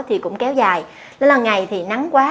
thì cũng kéo dài đó là ngày thì nắng quá